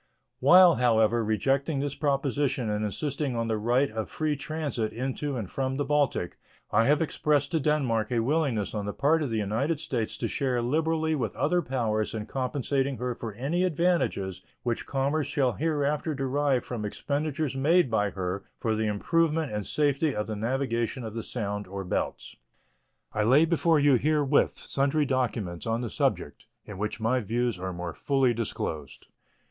While, however, rejecting this proposition and insisting on the right of free transit into and from the Baltic, I have expressed to Denmark a willingness on the part of the United States to share liberally with other powers in compensating her for any advantages which commerce shall hereafter derive from expenditures made by her for the improvement and safety of the navigation of the Sound or Belts. I lay before you herewith sundry documents on the subject, in which my views are more fully disclosed.